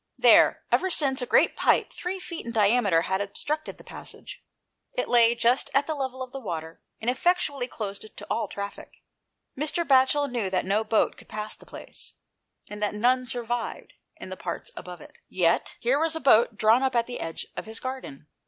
There, ever since, a great pipe three feet in diameter had obstructed the passage. It lay just at the level of the water, and effectually closed it to all traffic. Mr. Batchel knew that no boat could pass the place, and that none survived in the parts above it. Yet here was a boat drawn up at the edge of his garden.